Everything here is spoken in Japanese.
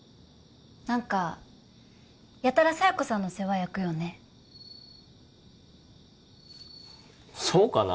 何かやたら佐弥子さんの世話焼くよねそうかな？